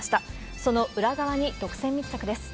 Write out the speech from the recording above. その裏側に独占密着です。